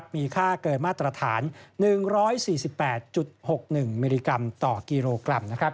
มีค่าเกินมาตรฐาน๑๔๘๖๑มิลลิกรัมต่อกิโลกรัม